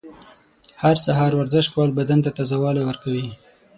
هر سهار ورزش کول بدن ته تازه والی ورکوي.